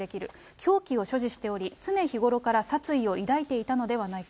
凶器を所持しており、常日頃から殺意を抱いていたのではないか。